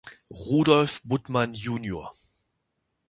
Rudolf Buttmann jun.